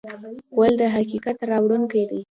غول د حقیقت راوړونکی دی.